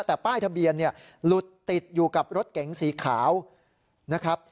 แต่ป้ายทะเบียนเนี่ยหลุดติดอยู่กับรถเก๋งสีขาวนะครับ